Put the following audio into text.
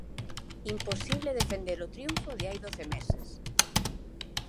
Imposible defender o triunfo de hai doce meses.